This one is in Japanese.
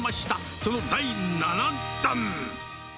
その第７弾。